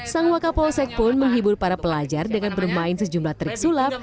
sang wakapolsek pun menghibur para pelajar dengan bermain sejumlah trik sulap